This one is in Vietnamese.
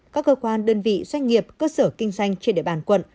các cơ quan đơn vị doanh nghiệp cơ sở kinh doanh trên địa bàn quận